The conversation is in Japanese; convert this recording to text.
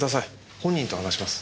本人と話します。